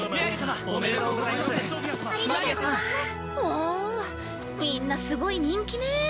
わあみんなすごい人気ね。